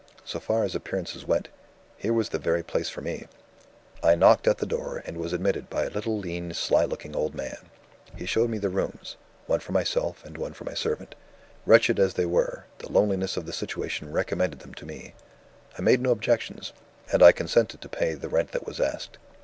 So far as appearances went, here was the very place for me. "I knocked at the door, and was admitted by a little lean sly looking old man. He showed me the rooms one for myself, and one for my servant. Wretched as they were, the loneliness of the situation recommended them to me. I made no objections; and I consented to pay the rent that was asked.